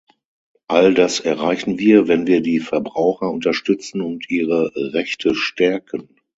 All das erreichen wir, wenn wir die Verbraucher unterstützen und ihre Rechte stärken.